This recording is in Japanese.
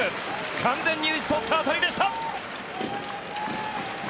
完全に打ち取った当たりでした！